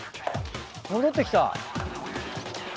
戻ってきた！